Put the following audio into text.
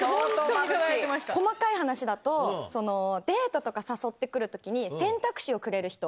細かい話だと、そのデートとか誘ってくるときに、選択肢をくれる人。